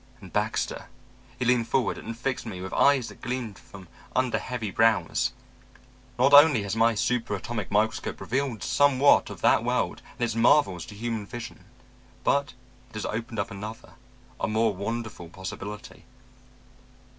And Baxter,' he leaned forward and fixed me with eyes that gleamed from under heavy brows, 'not only has my super atomic microscope revealed somewhat of that world and its marvels to human vision, but it has opened up another, a more wonderful possibility.'